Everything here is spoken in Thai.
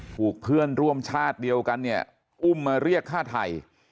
เพื่อนร่วมชาติเดียวกันเนี่ยอุ้มมาเรียกฆ่าไทย